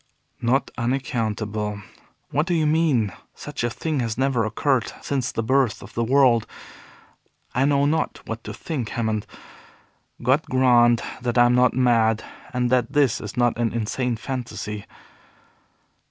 "Not unaccountable! What do you mean? Such a thing has never occurred since the birth of the world. I know not what to think, Hammond. God grant that I am not mad, and that this is not an insane fantasy!"